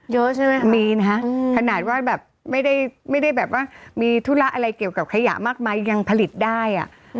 เยอะใช่ไหมมีนะฮะขนาดว่าแบบไม่ได้แบบว่ามีธุระอะไรเกี่ยวกับขยะมากมายยังผลิตได้